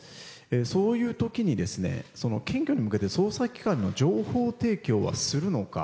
そういうときにその検挙に向けて捜査機関への情報提供はするのか。